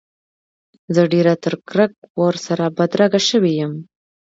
زه ډېره تر کرک ورسره بدرګه شوی یم.